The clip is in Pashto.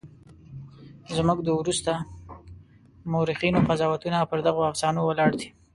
زموږ د وروسته مورخینو قضاوتونه پر دغو افسانو ولاړ دي.